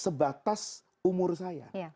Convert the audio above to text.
sebatas umur saya